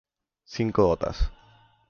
cinco gotas